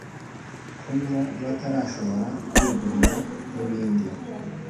kunywa batarashobora kwigurira n’ibindi.